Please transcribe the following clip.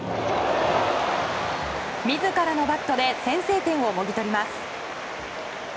自らのバットで先制点をもぎ取ります。